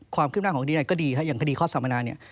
ความขึ้นหน้าของคดีไหนก็ดีครับอย่างคดีข้อสามนาเนี่ย